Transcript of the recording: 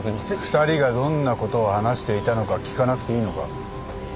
２人がどんなことを話していたのか聞かなくていいのか？